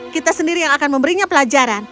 kita sendiri yang akan memberinya pelajaran